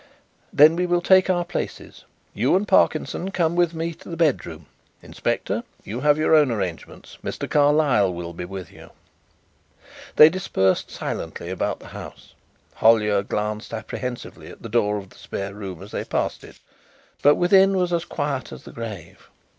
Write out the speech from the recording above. "Then we will take our places. You and Parkinson come with me to the bedroom. Inspector, you have your own arrangements. Mr. Carlyle will be with you." They dispersed silently about the house. Hollyer glanced apprehensively at the door of the spare room as they passed it, but within was as quiet as the grave.